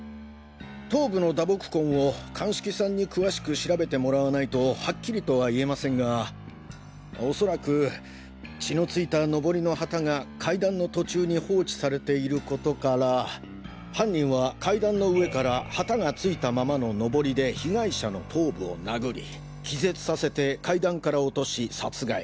頭部の打撲痕を鑑識さんに詳しく調べてもらわないとはっきりとは言えませんが恐らく血の付いたノボリの旗が階段の途中に放置されていることから犯人は階段の上から旗が付いたままのノボリで被害者の頭部を殴り気絶させて階段から落とし殺害。